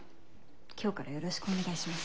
今日からよろしくお願いします。